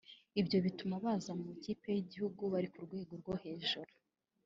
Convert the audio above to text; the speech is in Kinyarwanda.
Ibyo bituma baza mu ikipe y’igihugu bari ku rwego rwo hejuru